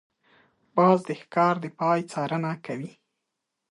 باز د ښکار د پای څارنه کوي